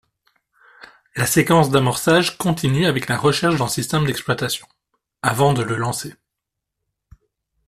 La séquence d'amorçage continue avec la recherche d'un système d'exploitation, avant de le lancer.